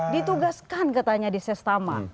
ditugaskan katanya di sestama